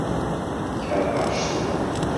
Kerheɣ ccetwa.